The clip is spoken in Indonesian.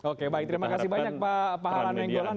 oke baik terima kasih banyak pak pahala nenggolan